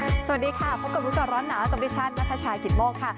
สวัสดีค่ะพบกับลูกจอร้อนหนาวตระปริชาณขิตโมกค่ะ